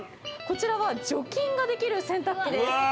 こちらは除菌ができる洗濯機です。